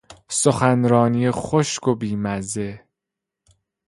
سخنرانی خشک و بیمزه